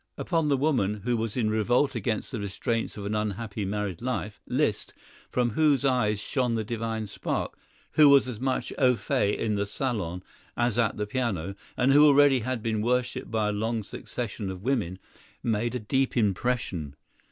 Upon the woman, who was in revolt against the restraints of an unhappy married life, Liszt, from whose eyes shone the divine spark, who was as much au fait in the salon as at the piano, and who already had been worshipped by a long succession of women, made a deep impression.